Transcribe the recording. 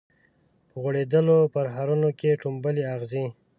په غوړیدولو پرهرونو کي ټومبلي اغزي